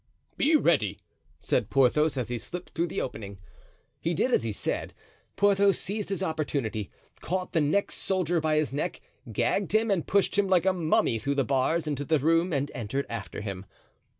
"Be ready," said Porthos, as he slipped through the opening. He did as he said. Porthos seized his opportunity, caught the next soldier by his neck, gagged him and pushed him like a mummy through the bars into the room, and entered after him.